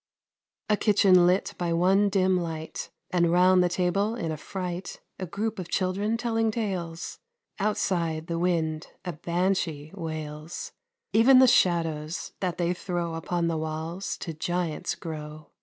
A kitchen lit by one dim light, And 'round the table in affright, A group of children telling tales. Outside, the wind a banshee wails. Even the shadows, that they throw Upon the walls, to giants grow.